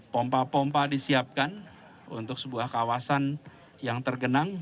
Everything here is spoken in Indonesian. pompa pompa disiapkan untuk sebuah kawasan yang tergenang